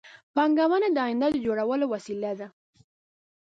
پانګونه د آینده د جوړولو وسیله ده